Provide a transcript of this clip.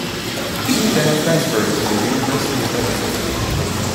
He then transferred to the University of Edinburgh.